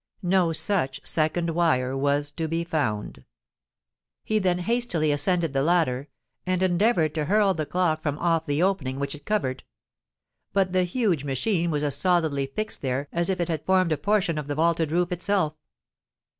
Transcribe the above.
No such second wire was to be found! He then hastily ascended the ladder, and endeavoured to hurl the clock from off the opening which it covered: but the huge machine was as solidly fixed there as if it had formed a portion of the vaulted roof itself.